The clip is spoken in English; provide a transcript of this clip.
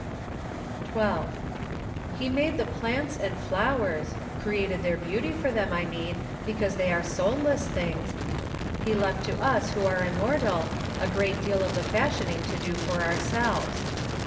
42 APRIL. 12. He made the plants and flowers — created their beauty for them, I mean, be¬ cause they are soulless things — He left to us who are immortal, a great deal of the fashioning to do for ourselves.